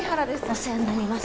お世話になります